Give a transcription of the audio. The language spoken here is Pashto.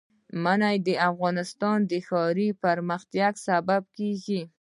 منی د افغانستان د ښاري پراختیا سبب کېږي.